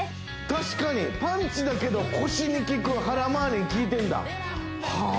確かにパンチだけど腰に効く腹まわりに効いてんだはあ